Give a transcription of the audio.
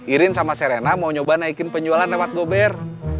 irin sama serena mau nyoba naikin penjualan lewat gober